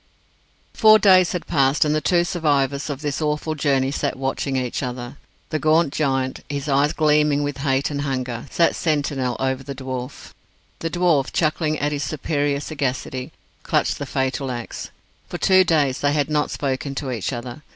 Four days had passed, and the two survivors of this awful journey sat watching each other. The gaunt giant, his eyes gleaming with hate and hunger, sat sentinel over the dwarf. The dwarf, chuckling at his superior sagacity, clutched the fatal axe. For two days they had not spoken to each other.